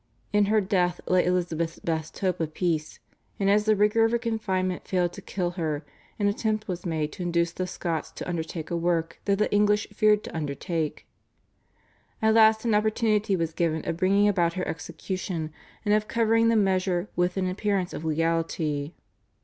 In her death lay Elizabeth's best hope of peace, and as the rigour of her confinement failed to kill her, an attempt was made to induce the Scots to undertake a work that the English feared to undertake. At last an opportunity was given of bringing about her execution and of covering the measure with an appearance of legality.